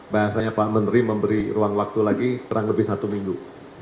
bahasanya pak menteri memberi ruang waktu lagi kurang lebih satu minggu